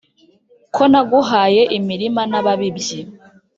ko naguhaye imirima n' ababibyi